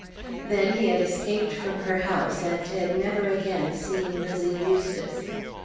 Then he had escaped from her house and had never again seen Lizzie Eustace.